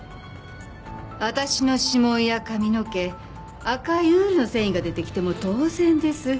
私の指紋や髪の毛赤いウールの繊維が出てきても当然です。